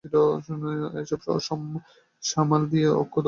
এসব সামাল দিয়ে ঐক্য ধরে রাখার জন্যই এসব রাত পেরোনো আলাপ।